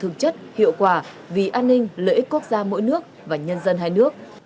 nghị an ninh lợi ích quốc gia mỗi nước và nhân dân hai nước